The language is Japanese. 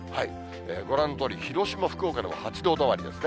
ご覧のとおり、広島、福岡でも８度止まりですね。